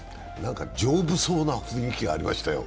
丈夫そうな雰囲気がありましたよ。